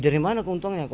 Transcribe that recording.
dari mana keuntungannya